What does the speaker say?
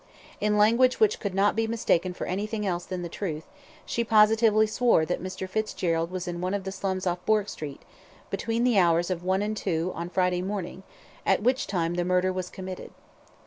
In language which could not be mistaken for anything else than the truth, she positively swore that Mr. Fitzgerald was in one of the slums off Bourke Street, between the hours of one and two on Friday morning, at which time the murder was committed.